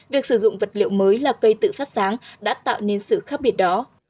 việc sử dụng vật liệu mới là cây tự phát sáng đã tạo nên sự khác biệt đó